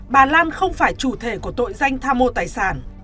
bà lan không phải chủ thể của tội danh tham mô tài sản